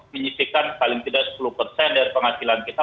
menyisihkan paling tidak sepuluh dari penghasilan kita